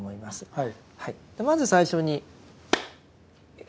はい。